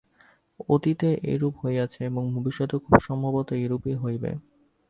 অতীতে এইরূপই হইয়াছে এবং ভবিষ্যতেও খুব সম্ভবত এইরূপই হইবে।